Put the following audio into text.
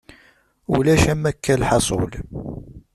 Ulac am wakka lḥasul.